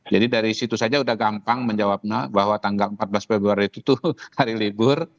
jadi dari situ saja sudah gampang menjawab bahwa tanggal empat belas februari itu tuh hari libur